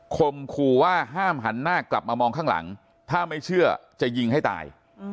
มขู่ว่าห้ามหันหน้ากลับมามองข้างหลังถ้าไม่เชื่อจะยิงให้ตาย